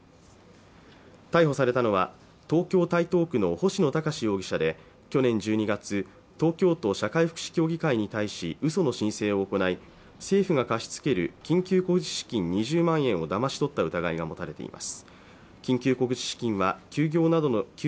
逮捕されたのは東京台東区の星野孝容疑者で去年１２月東京都社会福祉協議会に対しうその申請を行い政府が貸し付ける緊急小口資金２０万円をだまし取った疑いが持たれています